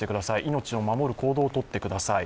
命を守る行動をとってください。